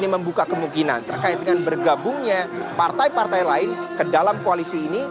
membuka kemungkinan terkait dengan bergabungnya partai partai lain ke dalam koalisi ini